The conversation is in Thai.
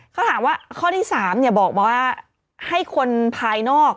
เขาถามว่าข้อที่๓บอกว่าให้คนภายนอก